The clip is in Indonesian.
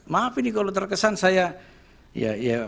maafin kali terkesan saya